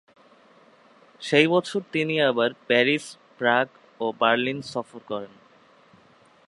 সেই বছর তিনি আবার প্যারিস, প্রাগ ও বার্লিন সফর করেন।